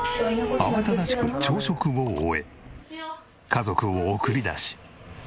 慌ただしく朝食を終え家族を送り出し。